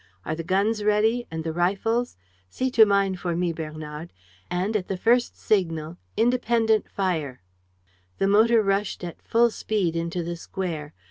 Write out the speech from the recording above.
Are the guns ready? And the rifles? See to mine for me, Bernard. And, at the first signal, independent fire!" The motor rushed at full speed into the square.